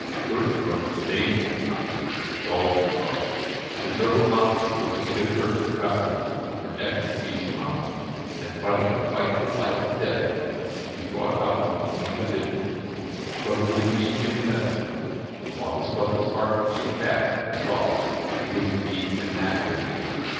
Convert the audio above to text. First Northern Spain was to be conquered, Gaul to be crossed, the terrible mountains of which he had heard from travellers were next to be surmounted, and finally a fight for life and death to be fought out on the plains of Italy. The struggle would indeed be a tremendous one, and Malchus felt his heart beat fast at the thought that he was to be an actor in it.